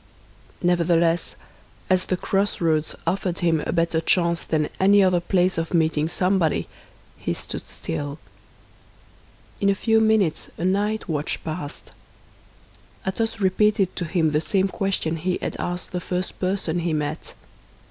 Nevertheless, as the crossroads offered him a better chance than any other place of meeting somebody, he stood still. In a few minutes a night watch passed. Athos repeated to him the same question he had asked the first person he met.